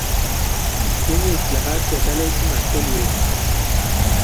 ځینې اصلاحات کېدای شي چې معقول وي.